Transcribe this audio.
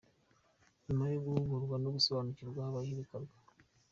Nyuma yo guhugurwa no gusobanukirwaho, habahoibikorwa.